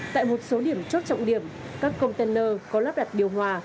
tại một số điểm chốt trọng điểm các container có lắp đặt điều hòa